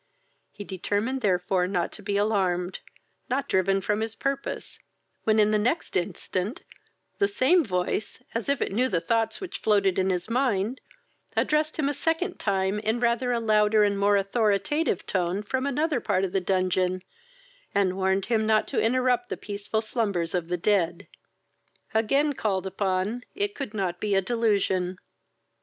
He determined therefore not to be alarmed, not driven from his purpose; when, in the next instant, the same voice, as if it knew the thoughts which floated in his mind, addressed him a second time in a rather louder and more authoritative tone from another part of the dungeon, and warned him not to interrupt the peaceful slumbers of the dead. Again called upon, it could not be delusion.